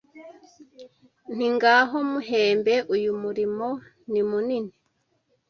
Nti: ngaho muhembe Uyu mulimo ni munini